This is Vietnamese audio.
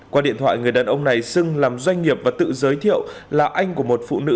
qua điện thoại người đàn ông này xưng làm doanh nghiệp và tự giới thiệu là anh của một phụ nữ